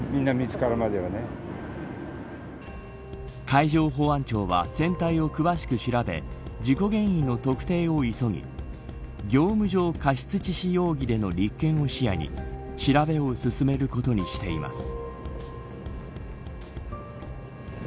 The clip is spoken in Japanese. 海上保安庁は船体を詳しく調べ事故原因の特定を急ぎ業務上過失致死容疑での立件を視野に調べを進めることにしています。